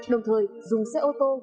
đồng thời dùng xe ô tô